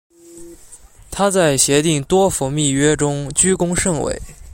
她在协定多佛密约中居功甚伟。